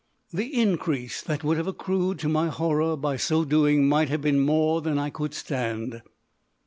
The increase that would have accrued to my horror by so doing might have been more than I could stand.